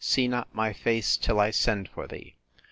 See not my face till I send for thee!